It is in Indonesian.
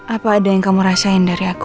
apa ada yang kamu rasain dari aku